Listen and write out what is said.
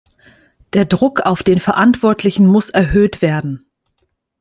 Der Druck auf den Verantwortlichen muss erhöht werden.